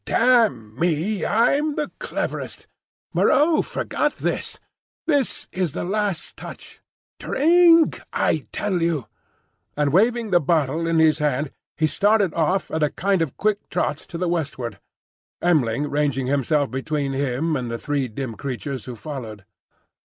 Damme, I'm the cleverest. Moreau forgot this; this is the last touch. Drink, I tell you!" And waving the bottle in his hand he started off at a kind of quick trot to the westward, M'ling ranging himself between him and the three dim creatures who followed.